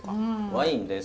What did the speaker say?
ワインです。